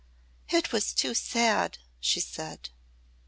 "It was too sad," she said.